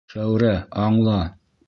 Шәүрә, аңла!